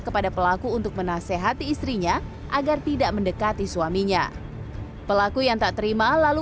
kepada pelaku untuk menasehati istrinya agar tidak mendekati suaminya pelaku yang tak terima lalu